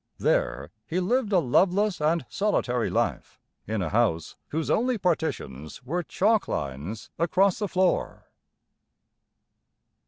There he lived a loveless and solitary life, in a house whose only partitions were chalk lines across the floor.